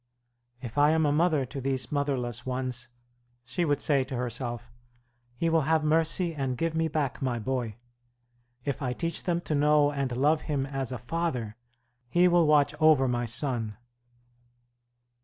"If I am a mother to these motherless ones," she would say to herself, "He will have mercy and give me back my boy; if I teach them to know and love Him as a Father, He will watch over my son."